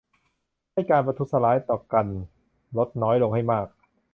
ให้การประทุษฐร้ายต่อกันลดน้อยลงให้มาก